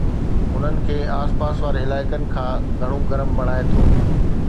انھن کي آس پاس واري علائقي کان گھڻو گرم بڻائي ٿو